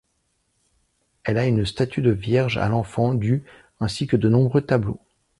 Elle a une statue de Vierge à l'enfant du ainsi que de nombreux tableaux.